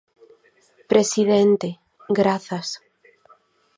Presidente, grazas.